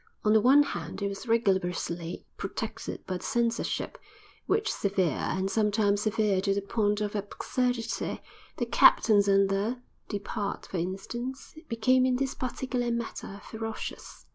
On the one hand it was rigorously protected by the censorship, which severe, and sometimes severe to the point of absurdity—"the captains and the ... depart," for instance—became in this particular matter ferocious.